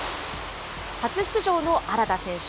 初出場の荒田選手。